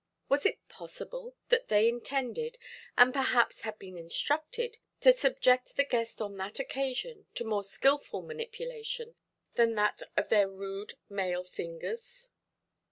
Was it possible that they intended, and perhaps had been instructed, to subject the guest on that occasion to more skilful manipulation than that of their rude male fingers?